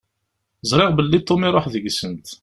Ẓriɣ belli Tom iruḥ deg-sent.